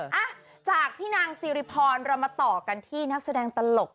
อ่ะจากที่นางซีริพรเรามาต่อกันที่นักแสดงตลก